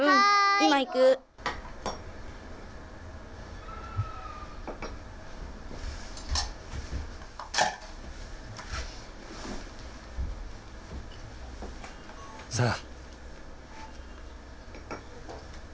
今行く。さあ。